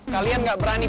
kalian gak berani